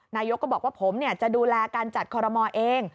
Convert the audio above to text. นายกก็บอกว่าผมจะดูแลการจัดคอรมอลเอง